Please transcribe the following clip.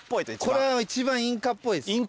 これは一番インカっぽいです。